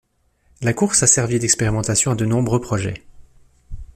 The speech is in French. La course a servi d'expérimentation à de nombreux projets.